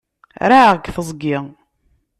Raεeɣ deg teẓgi.